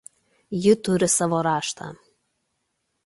Ji turi savo raštą.